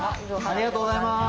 ありがとうございます。